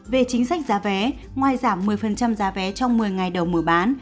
về chính sách giá vé ngoài giảm một mươi giá vé trong một mươi ngày đầu mở bán